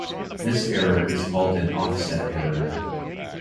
This error is called an Offset Error.